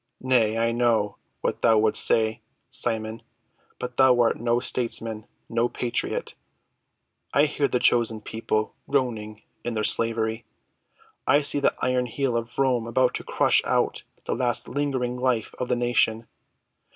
Nay, I know what thou wouldst say, Simon. But thou art no statesman—no patriot. I hear the chosen people groaning in their slavery. I see the iron heel of Rome about to crush out the last lingering life of the nation.